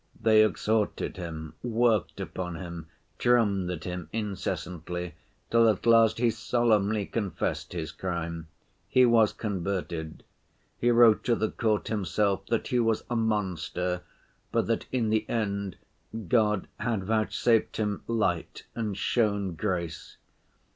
They exhorted him, worked upon him, drummed at him incessantly, till at last he solemnly confessed his crime. He was converted. He wrote to the court himself that he was a monster, but that in the end God had vouchsafed him light and shown grace.